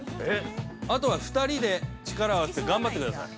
あとは２人で力を合わせて、頑張ってください。